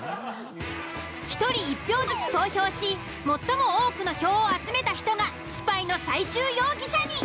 １人１票ずつ投票し最も多くの票を集めた人がスパイの最終容疑者に。